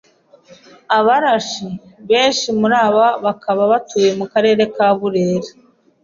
Abarashi, benshi muri aba bakaba batuye mu Karere ka Burera